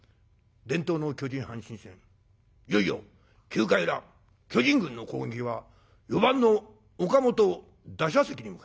「伝統の巨人・阪神戦いよいよ９回裏巨人軍の攻撃は４番の岡本打者席に向かいます。